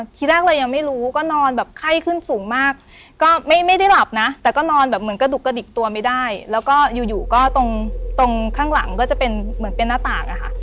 ทีแรกเรายังไม่รู้ก็นอนแบบไข้ขึ้นสูงมากก็ไม่ได้หลับนะแต่ก็นอนแบบเหมือนกระดุกกระดิกตัวไม่ได้แล้วก็อยู่อยู่ก็ตรงตรงข้างหลังก็จะเป็นเหมือนเป็นหน้าต่างอะค่ะ